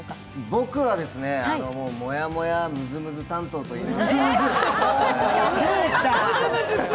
僕はもやもや、むずむず担当といいますか。